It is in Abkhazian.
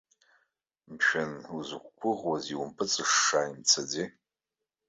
Мшәан, узықәгәӷуаз наумпыҵышша имцаӡеи?